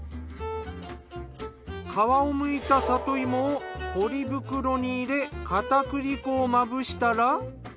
皮をむいた里芋をポリ袋に入れ片栗粉をまぶしたら。